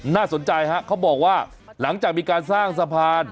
น่าสนใจฮะเขาบอกว่าหลังจากมีการสร้างสะพาน